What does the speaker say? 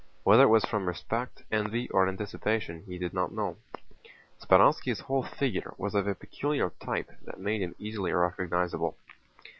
Whether it was from respect, envy, or anticipation, he did not know. Speránski's whole figure was of a peculiar type that made him easily recognizable.